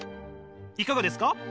いかがですか？